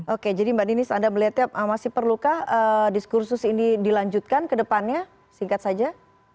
oke jadi mbak dinis anda melihatnya masih perlukah diskursus ini dilanjutkan kedepannya singkat saja